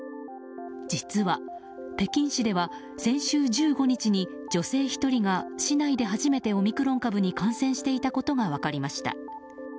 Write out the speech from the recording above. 実は、北京市では先週１５日に女性１人が市内で初めてオミクロン株に感染していたことが分かりました。